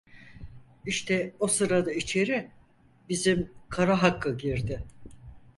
İşte o sırada içeri bizim Kara Hakkı girdi.